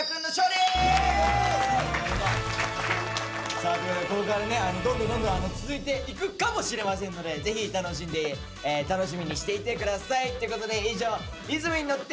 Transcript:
さあここからねどんどんどんどん続いていくかもしれませんのでぜひ楽しみにしていて下さい。ということで以上「リズムに乗って！